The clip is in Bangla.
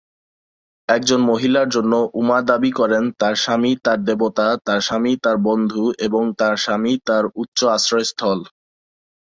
একজন মহিলার জন্য, উমা দাবি করেন, তার স্বামী তার দেবতা, তার স্বামী তার বন্ধু এবং তার স্বামী তার উচ্চ আশ্রয়স্থল।